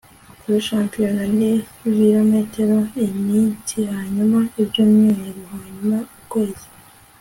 kuri shampiyona n'ibirometero, iminsihanyuma ibyumweruhanyuma ukwezi